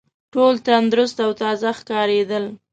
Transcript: ټول تندرست او تازه ښکارېدل.